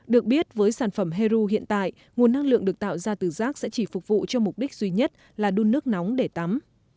được biết với sản phẩm heru hiện tại nguồn năng lượng được tạo ra từ rác sẽ chỉ phục vụ cho mục đích duy nhất là đun nước nóng để tắm